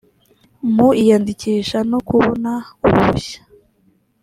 mu iyandikisha no kubona uruhushya